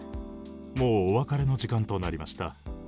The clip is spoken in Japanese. もうお別れの時間となりました。